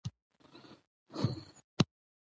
دا جوړه په بې طرفه حد کې بدلون وموند؛